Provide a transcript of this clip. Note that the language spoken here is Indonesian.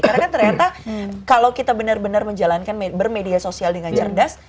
karena kan ternyata kalau kita benar benar menjalankan bermedia sosial dengan cerdas